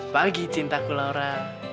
pagi cintaku laura